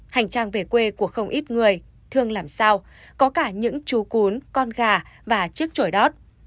hành trang về quê của không ít người thường làm sao có cả những chú cún con gà và chiếc trổi đót